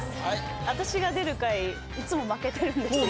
私が出る回いつも負けてるんですよ